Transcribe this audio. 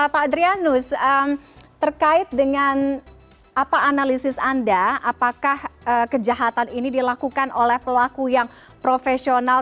pak adrianus terkait dengan apa analisis anda apakah kejahatan ini dilakukan oleh pelaku yang profesional